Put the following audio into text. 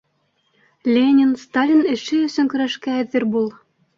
Ленин, Сталин эше өсөн көрәшкә әҙер бул!